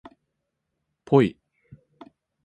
ぽい